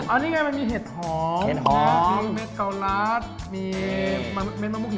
อันนี้คือเห็ดอะไรครับ